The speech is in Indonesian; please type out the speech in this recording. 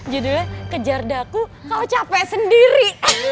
judulnya kejar daku kau capek sendiri